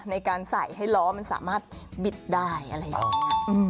ในการใส่ให้ล้อมันสามารถบิดได้อะไรอย่างนี้